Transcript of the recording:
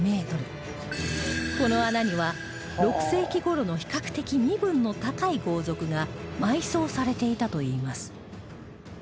この穴には６世紀頃の比較的身分の高い豪族が埋葬されていたといいます